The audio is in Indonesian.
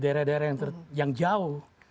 daerah daerah yang jauh